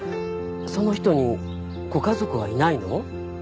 その人にご家族はいないの？